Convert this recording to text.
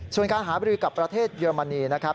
ส่วนการหาบริกับประเทศเยอรมนีนะครับ